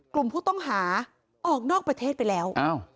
กลุ่มผู้ต้องหาออกนอกประเทศไปแล้ว